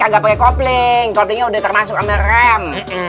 enggak pakai kopling koplingnya udah termasuk rem rem